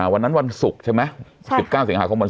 วันนั้นวันศุกร์ใช่ไหม๑๙สิงหาคม